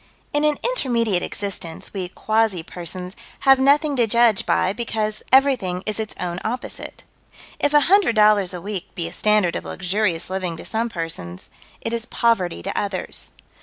In an intermediate existence, we quasi persons have nothing to judge by because everything is its own opposite. If a hundred dollars a week be a standard of luxurious living to some persons, it is poverty to others.